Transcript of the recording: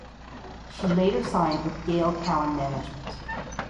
She later signed with Gail Cowan Management.